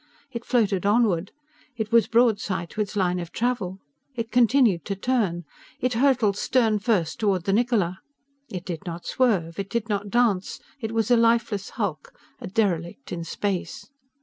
It floated onward. It was broadside to its line of travel. It continued to turn. It hurtled stern first toward the Niccola. It did not swerve. It did not dance. It was a lifeless hulk: a derelict in space.